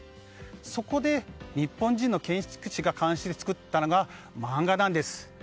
そこで、日本人の建築士が監修して作ったのが漫画なんです。